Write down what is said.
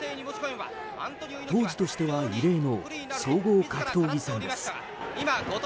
当時としては異例の総合格闘技戦です。